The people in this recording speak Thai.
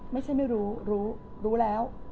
ไม่ใช่ไม่รู้รู้รู้แล้ว